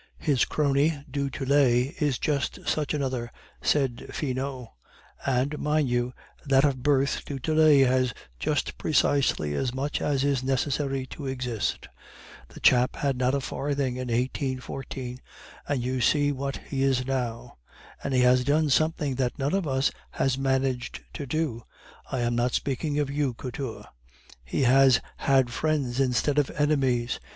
'" "His crony, du Tillet, is just such another," said Finot. "And, mind you, that of birth du Tillet has just precisely as much as is necessary to exist; the chap had not a farthing in 1814, and you see what he is now; and he has done something that none of us has managed to do (I am not speaking of you, Couture), he has had friends instead of enemies.